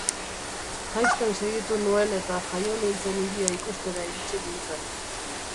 Jaisten segitu nuen eta jaio nintzen hiria ikustera iritsi nintzen.